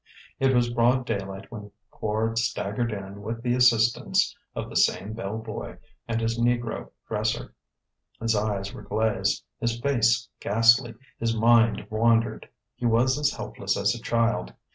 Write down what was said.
It was broad daylight when Quard staggered in with the assistance of the same bell boy and his negro dresser. His eyes were glazed, his face ghastly, his mind wandered: he was as helpless as a child.